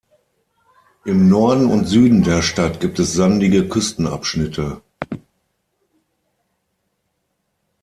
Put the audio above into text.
Im Norden und Süden der Stadt gibt es sandige Küstenabschnitte.